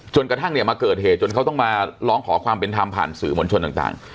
กระทั่งเนี่ยมาเกิดเหตุจนเขาต้องมาร้องขอความเป็นธรรมผ่านสื่อมวลชนต่าง